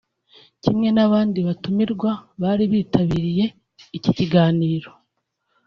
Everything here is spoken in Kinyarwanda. Kimwe n’abandi batumirwa bari bitabiriye iki kiganiro